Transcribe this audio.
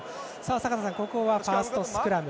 坂田さん、ここはファーストスクラム。